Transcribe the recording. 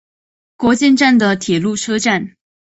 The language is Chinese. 国见站的铁路车站。